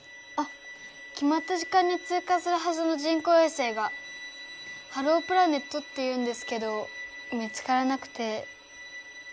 決まった時間に通過するはずの人工衛星がハロープラネットっていうんですけど見つからなくて。